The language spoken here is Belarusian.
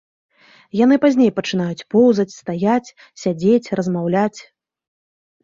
Яны пазней пачынаюць поўзаць, стаяць, сядзець, размаўляць.